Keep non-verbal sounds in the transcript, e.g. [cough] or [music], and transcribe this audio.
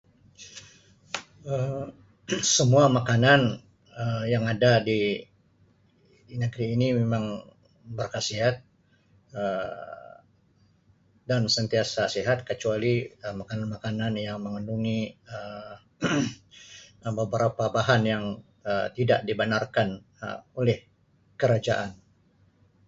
[noise] Um [coughs] Semua makanan Um yang ada di negeri ini memang berkhasiat Um dan sentiasa sihat kecuali Um makanan-makanan yang mengandungi Um [coughs] Um beberapa bahan yang Um tidak dibenarkan Um oleh kerajaan.